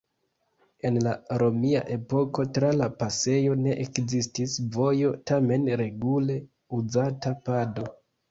En la romia epoko tra la pasejo ne ekzistis vojo, tamen regule uzata pado.